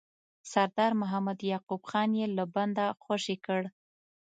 سردار محمد یعقوب خان یې له بنده خوشي کړ.